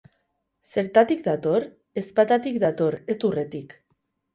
Zertatik dator? Ezpatatik dator, ez urretik.